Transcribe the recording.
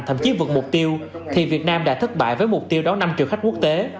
thậm chí vượt mục tiêu thì việt nam đã thất bại với mục tiêu đón năm triệu khách quốc tế